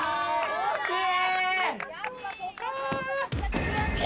惜しい。